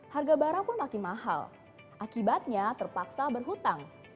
harga barang pun makin mahal akibatnya terpaksa berhutang